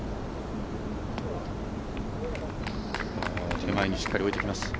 手前にしっかり置いてきます。